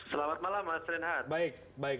selamat malam mas renhard